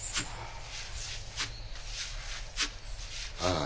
ああ。